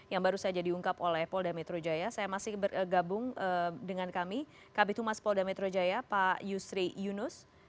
yang baru saja diungkap oleh polda metro jaya saya masih bergabung dengan kami kb tumas polda metro jaya pak yusri yunus